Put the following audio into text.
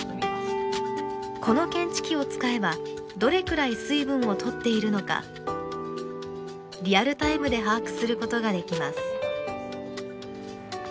この検知器を使えばどれくらい水分をとっているのかリアルタイムで把握することができます。